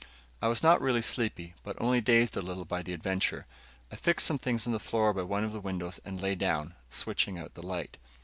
I was not really sleepy, but only dazed a little by the adventure. I fixed some things on the floor by one of the windows and lay down, switching out the light.